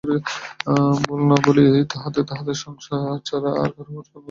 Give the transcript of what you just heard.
ভুলি বা না ভুলি, তাহাতে সংসারে আমি ছাড়া আর- কাহারো কোনো ক্ষতি নাই।